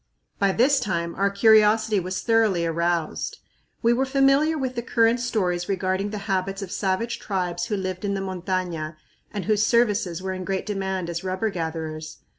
By this time our curiosity was thoroughly aroused. We were familiar with the current stories regarding the habits of savage tribes who lived in the montaña and whose services were in great demand as rubber gatherers.